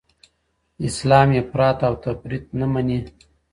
اسلام افراط او تفریط نه مني.